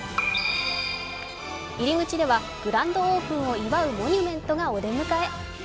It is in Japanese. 入り口ではグランドオープンを祝うモニュメントがお出迎え。